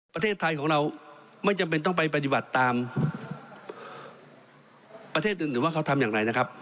ประเทศไทยของเราไม่จำเป็นต้องไปปฏิบัติตามประเทศอื่นหรือว่าเขาทำอย่างไรนะครับ